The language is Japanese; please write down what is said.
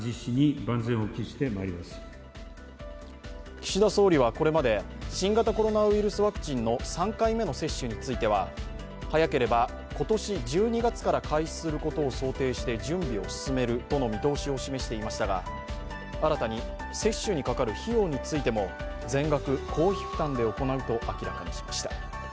岸田総理はこれまで、新型コロナウイルスワクチンの３回目の接種については早ければ今年１２月から開始することを想定して準備を進めるとの見通しを示していましたが、新たに接種にかかる費用についても全額公費負担で行うと明らかにしました。